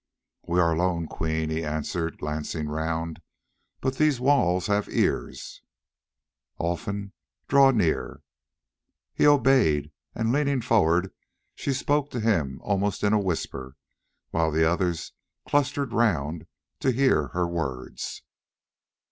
"We are alone, Queen," he answered, glancing round, "but these walls have ears." "Olfan, draw near." He obeyed, and leaning forward she spoke to him almost in a whisper, while the others clustered round to hear her words.